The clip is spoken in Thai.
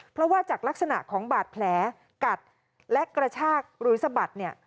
เพราะว่าจากลักษณะของบาดแผลกัดและกระชากหรือสะบัดเนี่ย